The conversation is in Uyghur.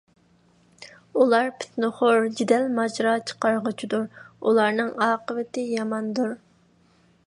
ئۇلار پىتنىخور، جېدەل - ماجىرا چىقارغۇچىدۇر. ئۇلارنىڭ ئاقىۋىتى ياماندۇر.